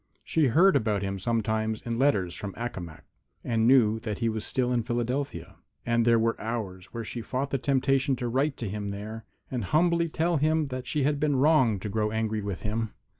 She heard about him sometimes in letters from Accomac, and knew that he was still in Philadelphia. And there were hours when she fought the temptation to write to him there, and humbly tell him that she had been wrong to grow angry with him.